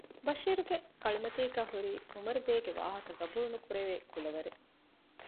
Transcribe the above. ބަޝީރުގެ ކަޅިމަތީގައި ހުރީ އުމަރުބޭގެ ވާހަކަ ގަބޫލު ނުކުރެވޭ ކުލަވަރެއް